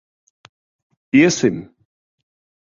Iesim.